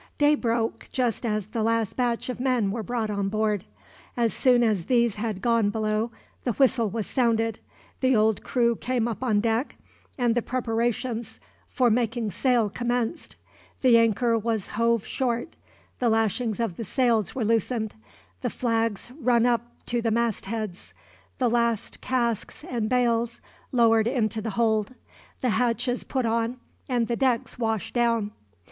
Day broke, just as the last batch of men were brought on board. As soon as these had gone below the whistle was sounded, the old crew came up on deck, and the preparations for making sail commenced. The anchor was hove short, the lashings of the sails were loosened, the flags run up to the mast heads, the last casks and bales lowered into the hold, the hatches put on, and the decks washed down.